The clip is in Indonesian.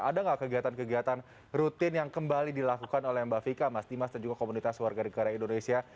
ada nggak kegiatan kegiatan rutin yang kembali dilakukan oleh mbak vika mas dimas dan juga komunitas warga negara indonesia